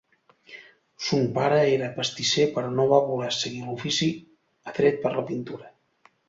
Son pare era pastisser però no va voler seguir l'ofici atret per la pintura.